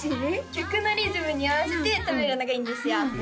曲のリズムに合わせて食べるのがいいんですよ